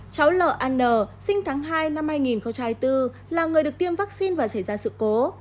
cháu l a n sinh tháng hai năm hai nghìn bốn là người được tiêm vaccine và xảy ra sự cố